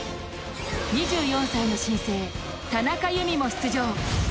２４歳の新星、田中佑美も出場。